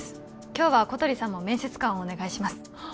今日は小鳥さんも面接官をお願いします